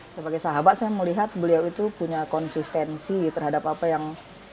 sebagai sahabat saya melihat beliau itu punya konsistensi terhadap apa yang